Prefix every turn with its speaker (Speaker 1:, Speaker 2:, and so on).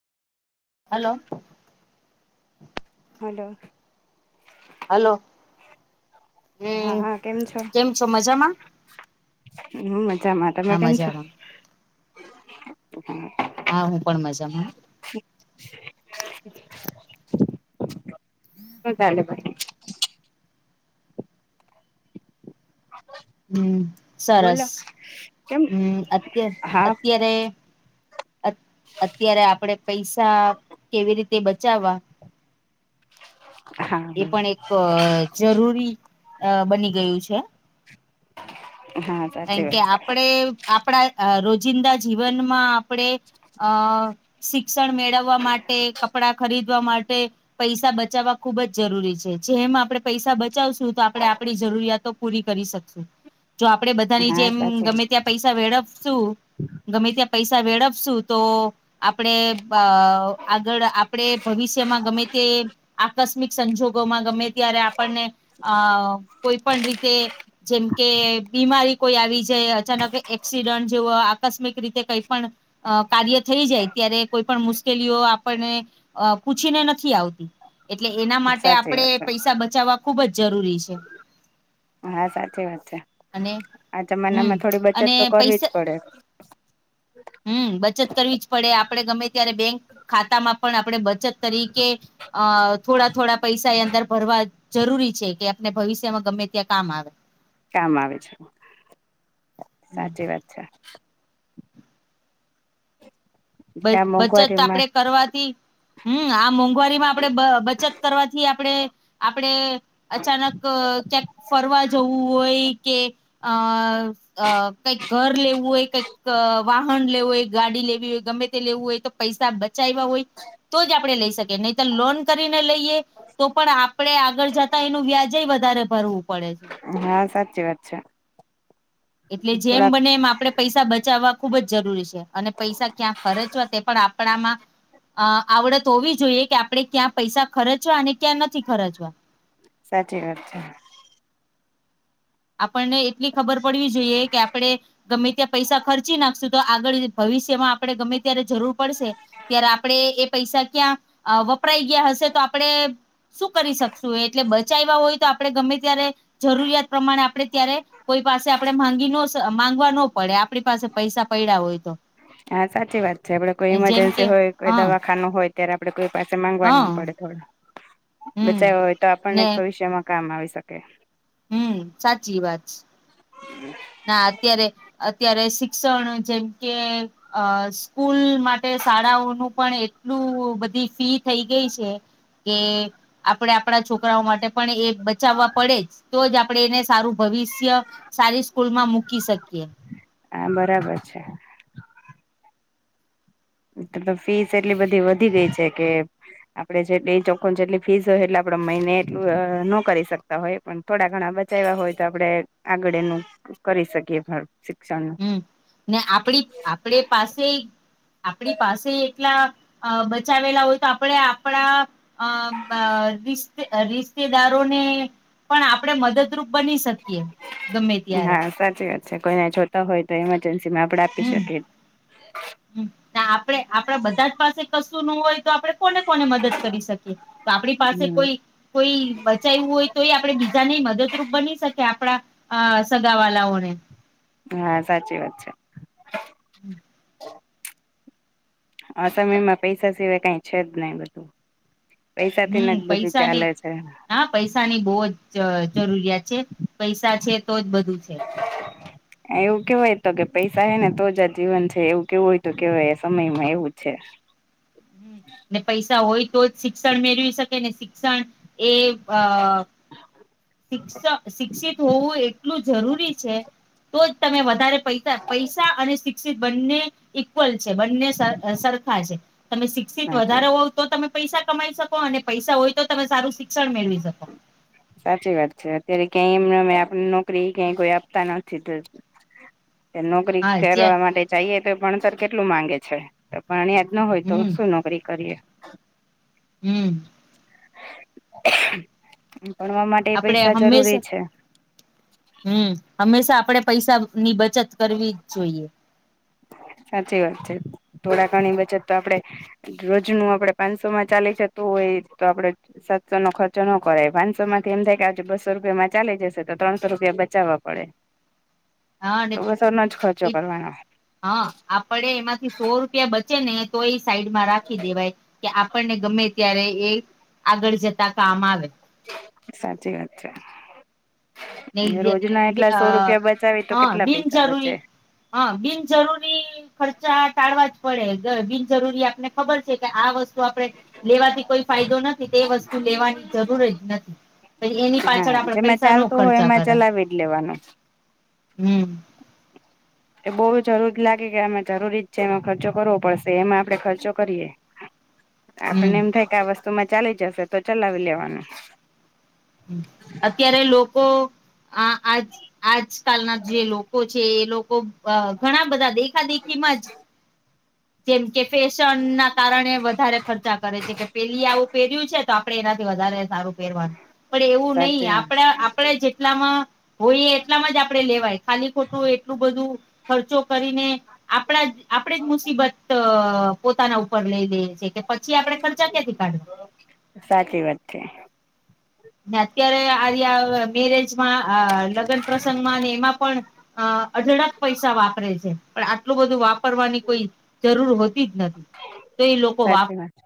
Speaker 1: Hello
Speaker 2: hello
Speaker 1: hello! હમ કેમ છો મજામાં?
Speaker 2: હ મજામાં તમે
Speaker 1: હા
Speaker 2: કેમ છો?
Speaker 1: મજામાં હા હું પણ મજામાં.
Speaker 2: શું ચાલે ભાઈ? હ
Speaker 1: હમ, સરસ
Speaker 2: કેમ
Speaker 1: હમ અત
Speaker 2: હા
Speaker 1: અત્યારે અત્યારે આપણે પૈસા કેવી રીતે બચાવવા? એ
Speaker 2: હા
Speaker 1: પણ એક જરૂરી બની ગયું છે.
Speaker 2: હા!
Speaker 1: કારણ
Speaker 2: સાચી
Speaker 1: કે
Speaker 2: વાત છે
Speaker 1: આપણે આપણા રોજિંદા જીવનમાં આપણે અ શિક્ષણ મેળવવા માટે, કપડા ખરીદવા માટે, પૈસા બચાવવા ખુબ જ જરૂરી છે. જેમ આપણે પૈસા બચાવશું, તો આપણે આપણી જરૂરિયાતો પૂરી કરી શકશું. આપણે બધાની
Speaker 2: હા
Speaker 1: જેમ
Speaker 2: સાચી
Speaker 1: ગમે ત્યા પૈસા વેડવશું, ગમે ત્યાં પૈસા વેડપશું તો, આપણે આગળ આપણે ભવિષ્યમાં ગમે તે આકસ્મિક સંજોગોમાં ગમે ત્યારે આપણને અ કોઈ પણ રીતે જેમ કે બીમારી કોઈ આવી જાય, અચાનક એક્સિડન્ટ જેવો આકસ્મિક રીતે કઈ પણ અ કાર્ય થઈ જાય ત્યારે કોઈ પણ મુશ્કેલીઓ આપણને અ પૂછીને નથી આવતી. એટલે એના માટે
Speaker 2: સાચી વાત
Speaker 1: આપડણે
Speaker 2: છે
Speaker 1: પૈસા બચાવવા ખુબ જ જરૂરી છે.
Speaker 2: હા સાચી વાત છે.
Speaker 1: અને
Speaker 2: આ જમાના
Speaker 1: હમ
Speaker 2: માં થોડી બચત
Speaker 1: અને
Speaker 2: તો
Speaker 1: પૈસા
Speaker 2: કરવી જ પડે.
Speaker 1: હમ બચત કરવી જ પડે, આપડે ગમે ત્યારે બેંક ખાતા માં પણ આપડે બચત તરીકે અ થોડા થોડા પૈસા એ અંદર ભરવા જરૂરી છે કે આપને ભવિષ્યમાં ગમે ત્યાં કામ આવે.
Speaker 2: કામ આવી છે.
Speaker 1: હમ
Speaker 2: સાચી વાત છે.
Speaker 1: બ
Speaker 2: ત્યાં
Speaker 1: બચત
Speaker 2: મોંઘવારીમાં
Speaker 1: આપડે કરવાથી હમ આ મોંઘવારી માં આપડે બચત કરવાથી આપડે આપડે અચાનક ક્યાંક ફરવા જવું હોય કે, અ અ કંઈક ઘર લેવું હોય, કઈક વાહન લેવું હોય, ગાડી લેવી હોય, ગમે લેવું હોય તો પૈસા બચાવવા હોય તો જ આપડે લઈ શકીએ. નહી તો લોન કરીને- [unintelligible] લઈએ તો પણ આપણે આગળ જતા એનું વ્યાજ વધારે ભરવું પડે છે
Speaker 2: હા સાચી વાત છે.
Speaker 1: એટલે જેમ
Speaker 2: થોડાક
Speaker 1: બને એમ આપડે પૈસા બચાવવા ખુબ જ જરૂરી છે. અને પૈસા ક્યાં ખર્ચવા તે પણ આપણામાં આવડત હોવી જોઈએ કે, આપણે ક્યાં પૈસા ખર્ચવા અને ક્યાં નથી ખર્ચવા
Speaker 2: સાચી વાત છે.
Speaker 1: આપણને એટલી ખબર પડવી જોઈએ કે આપડણે ગમે ત્યા પૈસા ખર્ચી નાખશું તો, આગળ ભવિષ્યમાં આપડણે ગમે ત્યારે જરૂર પડશે ત્યારે આપણે એ પૈસા ક્યાં વપરાઈ ગયા હશે તો આપણે શું કરી શકશું? એટલે બચાવ્યા હોય તો, આપણે ગમે ત્યારે જરૂરિયાત પ્રમાણે, આપણે ત્યારે કોઈ પાસે આપણે માંગી ન માંગવા ન પડે આપણી પાસે પૈસા પડ્યા હોય તો.
Speaker 2: હા સાચી વાત છે. આપડે કોઈ
Speaker 1: જેમ
Speaker 2: ઈમરજન્સી
Speaker 1: કે
Speaker 2: હોય, કોઈ
Speaker 1: હા
Speaker 2: દવાખાનું હોય અ્યારે આપડે કોઈ પાસે માંગવા
Speaker 1: હા
Speaker 2: ન પડે થોડો
Speaker 1: હમ
Speaker 2: બચાવ હોય તો આપણને
Speaker 1: ને
Speaker 2: જ ભવિષ્યમા કામ આવી શકે
Speaker 1: હમ સાચી વાત છે.
Speaker 2: હમ્મ
Speaker 1: ના અત્યારે અત્યારે શિક્ષણ જેમ કે અ સ્કૂલ માટે શાળાઓનું પણ એટલું બધી ફી થઈ ગઈ છે. કે આપણેે આપણા છોકરાઓ માટે પણ એ બચાવવા પડે જ તો જ આપણેે એને સારુ ભવિષ્ય સારી સ્કૂલમાં મૂકી શકીએ
Speaker 2: હા બરાબર છે. તો તો ફીસ એટલી બધી વધી ગઈ છે, કે આપણે જેટલી ચોખણ જેટલી ફીસ હોય, એટલે આપડે મહિને એટલુ ન કરી શકતા હોય પણ થોડા ઘણા બચાવ્યા હોય તો આપણે આગળ એનું કરી શકીએ શિક્ષણનું
Speaker 1: હમ ને આપડી આપડ પાસે આપડી પાસે એટલા અ બચાવેલા હોય, તો આપણે આપણા અ રિશતેદાર પણ આપણે મદદરૂપ બની શકીએ ગમે ત્યારે
Speaker 2: હા સાચી વાત છે કોઈને જોતા હોય તો ઇમરજન્સી માં આપડે આપી
Speaker 1: હમ
Speaker 2: શકીએ.
Speaker 1: હમ આપડે આપડે બધા જ પાસે કશું ન હોય તો આપડે કોને કોને મદદ કરી શકીએ તો આપણી પાસે કોઈ
Speaker 2: હમ
Speaker 1: કોઈ બચાવવુ હોય, તો એ આપડે બીજાને મદદરૂપ બની શકે આપડા હ સગાંવહાલાં ઓને
Speaker 2: હા સાચી વાત છે.
Speaker 1: હમ [unintelligible]
Speaker 2: આ સમયમાં પૈસા સિવાય કઈ છેજ, નહી. પૈસા
Speaker 1: હમ
Speaker 2: થીને જ બધુ
Speaker 1: પૈસાની
Speaker 2: ચાલે છે.
Speaker 1: હા પૈસાની બહુ જ જરૂરિયાત છે, પૈસા છે તો જ બધુ છે. હ [unintelligible]
Speaker 2: એવુ કેવાય તો કે પૈસા હે ને તો જ જીવન છે એવું કેવુ હોય, તો કેવાય સમયમાં એવુ છે.
Speaker 1: હ ને પૈસા હોય તો જ શિક્ષણ મેળવી શકે ને શિક્ષણ એ અ શિક્ષ શિક્ષિત હોવુ એટલુ જરૂરી છે, તો જ તમે વધારે પૈસા પૈસા અને શિક્ષિત બને ઈક્વલ છે, બને સરખા છે. તમે શિક્ષિત
Speaker 2: સાચે
Speaker 1: વધારો હોવ, તો તમે પૈસા કમાઈ શકો અને પૈસા હોય તો તમે સરુ શિક્ષણ મેળવી શકો
Speaker 2: સાચી વાત છે, અત્યારે ક્યાંય એમ અ આપ નોકરી ક્યાંય કોઈ આપતા નથી. તે નોકરી
Speaker 1: હા જે
Speaker 2: કરવા માટે જઈએ તો ભણતર કેટલુ માંગે છે. પાણી યાદ ના હોય, તો
Speaker 1: હમ
Speaker 2: સુું નોકરી કરીએ
Speaker 1: હમ્મ
Speaker 2: ભણવા માટે
Speaker 1: આપડે
Speaker 2: પૈસા જરૂરી
Speaker 1: હંમેશા
Speaker 2: છે.
Speaker 1: હમ હંમેશા આપણેે પૈસા ની બચત કરવી જ જોઈએ.
Speaker 2: સાચી વાત છે, થોડા ઘણી બચત તો આપડે રોજ ન આપડે પાંચસોમા ચાલે છે, તો હોય તો આપડે સાતસો નો ખર્ચો ન કરાય પાંચસો માંથી એમ થાય કે બસો રૂપિયામાં ચાલી જશે, તો ત્રણસો રૂપિયા બચાવવા પડે
Speaker 1: [inaudible] હા ને
Speaker 2: તો બસો નો જ ખર્ચો કરવાનો
Speaker 1: હા આપ પડે એમાંથી સો રૂપિયા બચે ને તો એ સાઈડમા રાખી દેવાય કે આપણને ગમે ત્યારે એ આગળ જતા કામ આવે
Speaker 2: સાચી વાત છે.
Speaker 1: ને
Speaker 2: રોજના
Speaker 1: બી
Speaker 2: એટલા
Speaker 1: અ
Speaker 2: સો રૂપિયા બચાવી તો
Speaker 1: હા
Speaker 2: કેટલા પૈસા
Speaker 1: બિનજરૂરી
Speaker 2: બચે
Speaker 1: હા બિન જરૂરી ખર્ચા ટાળવા જ પડે અ બિનજરૂરી આપને ખબર છે કે આ વસ્તુ તો આપણે લેવાથી કોઈ ફાયદો નથી તે વસ્તુ લેવાની જરૂર જ નથી. પછી એની પાછળ
Speaker 2: હા
Speaker 1: આપડા
Speaker 2: જેમાં
Speaker 1: પૈસા નો
Speaker 2: ચાલતું હોય
Speaker 1: ખર્ચા
Speaker 2: એમાં
Speaker 1: કરે
Speaker 2: ચલાવી જ લેવાનું
Speaker 1: હમ.
Speaker 2: એ બહુ જરૂરી લાગે કે આમાં જરૂરી જ છે એમાં ખર્ચો કરવો પડશે એમાં આપડે ખર્ચો કરીએ.
Speaker 1: હ [unintelligible]
Speaker 2: આપને એમ થાય કે આ વસ્તુમાં ચાલી જશે તો ચલાવી લેવાનું
Speaker 1: તે લોકો આ આજ આજકાલના જે લોકો છે. કે એ લોકો અ ઘણા બધા દેખાદેખી માંજ જેમ કે ફેશન ના કારણે વધારે ખર્ચા કરે છે કે પેલી આવું પહેર્યું છે. તો આપણે એનાથી વધારે સારું પહેરવાનું પણ એવું નહી
Speaker 2: સાચી વાત
Speaker 1: આપણા આપણે જેટલામાં હોય એ એટલામાં જ આપડે લેવાય ખાલી ખોટું એટલું બધું ખર્ચો કરીને આપણા જ આપણેે જ મુસીબત પોતાના ઉપર લઈ લઈએ છે કે. પછી આપડે ખર્ચા ક્યાંથી કાઢી.
Speaker 2: સાચી વાત છે.
Speaker 1: અત્યારે આવીયા અ મેરેજમાં અ લગ્ન પ્રસંગમાં એમાં પણ અ અઢડક પૈસા વાપરે છે પણ એટલું બધું વાપરવાની કોઈ જરૂર હોતી જ નથી તો એ લોકો વાપ
Speaker 2: સાચી વાત